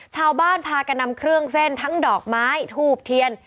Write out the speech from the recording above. ชาวบ้านพากันนำเครื่องเส้นทั้งดอกไม้ทูบเทียน